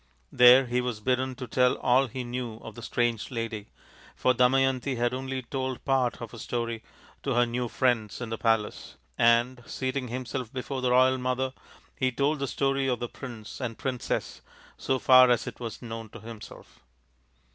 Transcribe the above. There he was bidden to tell all he knew of the strange lady for Damayanti had only told part of her story to her new friends in the palace and, seating himself before the royal mother, he told the story of the prince and princess so far as it was known to himself.